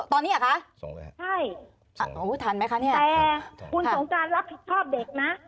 ตอนนี้อ่ะคะใช่อ้าวทานมั้ยค่ะเนี่ยแต่คุณสงการรับผิดชอบเด็กนะ